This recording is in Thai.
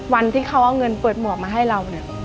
วันที่เขาเอาเงินเปิดหมวกมาให้เราเนี่ย